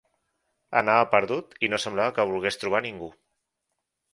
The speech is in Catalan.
Anava perdut i no semblava que volgués trobar ningú.